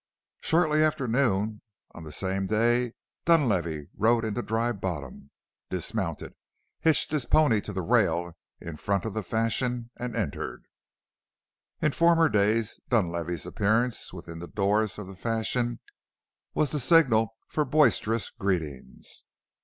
Shortly after noon on the same day Dunlavey rode into Dry Bottom, dismounted, hitched his pony to the rail in front of the Fashion, and entered. In former days Dunlavey's appearance within the doors of the Fashion was the signal for boisterous greetings.